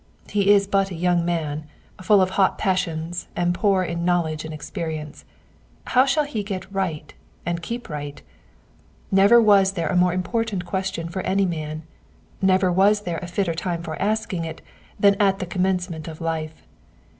He is but a young man, full of hot passions, and poor in knowledge and experience ; how shall he get right, and keep right ? Ne^er was there a more important question for any man ; never was there a fitter time for asking it than at the commencement of life.